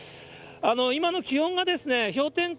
今の気温が氷点下